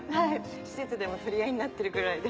施設でも取り合いになってるぐらいで。